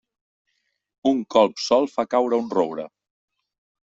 Un colp sol fa caure un roure.